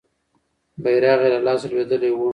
بیرغ یې له لاسه لوېدلی وو.